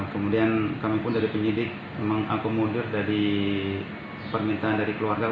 kemudian kami pun dari penyidik mengakomodir dari permintaan dari keluarga